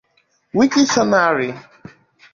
Wikishọnarị